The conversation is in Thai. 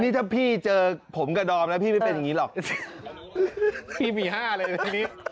นี่ถ้าพี่เจอผมกับดอมนะพี่ไม่เป็นอย่างนี้หรอกพี่มี๕เลยนะทีนี้